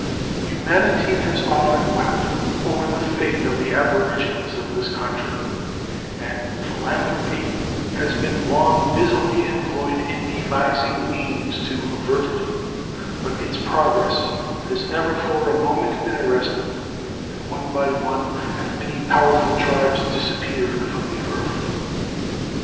Humanity has often wept over the fate of the aborigines of this country, and Philanthropy has been long busily employed in devising means to avert it, but its progress has never for a moment been arrested, and one by one have many powerful tribes disappeared from the earth.